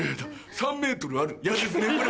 ３ｍあるイヤですね。